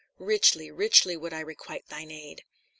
"Richly, richly would I requite thine aid."